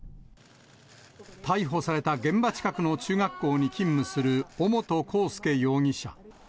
逮捕された現場近くの中学校に勤務する尾本幸祐容疑者。